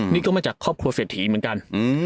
นี่ก็มาจากครอบครัวเศรษฐีเหมือนกัน